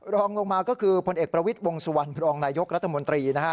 รองลงมาก็คือพลเอกประวิทย์วงสุวรรณบรองนายกรัฐมนตรีนะฮะ